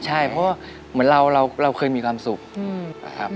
ใช่เพราะว่าเหมือนเราเคยมีความสุขนะครับ